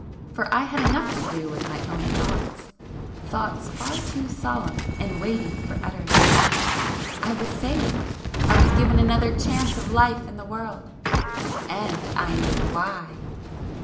For I had enough to do with my own thoughts,—thoughts far too solemn and weighty for utterance. I was saved,—I was given another chance of life in the world,—and I knew why!